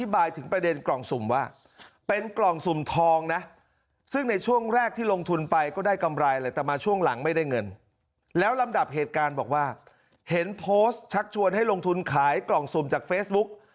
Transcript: แล้วลำดับเหตุการณ์บอกว่าเห็นโพสต์ชักชวนให้ลงทุนขายกล่องสุ่มจากเฟซบุ๊ก